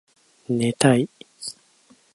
寝たい